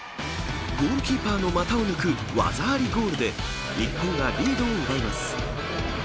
ゴールキーパーの股を抜く技ありゴールで日本がリードを奪います。